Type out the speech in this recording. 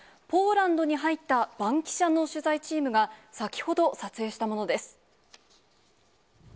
ポーランドに入ったバンキシャの取材チームが、先ほど撮影したものです。